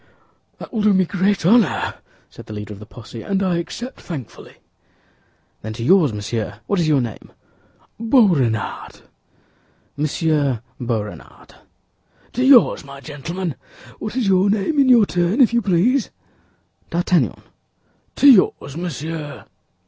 "That will do me great honor," said the leader of the posse, "and I accept thankfully." "Then to yours, monsieur—what is your name?" "Boisrenard." "Monsieur Boisrenard." "To yours, my gentlemen! What is your name, in your turn, if you please?" "D'Artagnan." "To yours, monsieur."